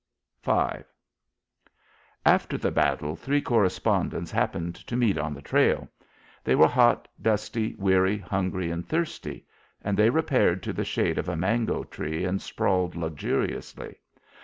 V After the battle, three correspondents happened to meet on the trail. They were hot, dusty, weary, hungry and thirsty, and they repaired to the shade of a mango tree and sprawled luxuriously.